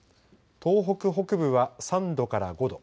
東北北部は３度から５度。